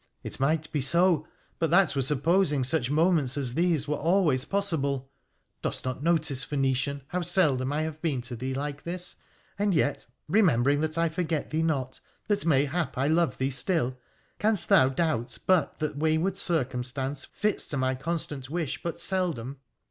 ' It might be so, but that were supposing such moments as these were always possible. Dost not notice, Phoenician, how seldom I have been to thee like this, and yet, remembering that I forget thee not, that mayhap I love thee still, canst thou doubt but that wayward circumstance fits to my constant wish but seldom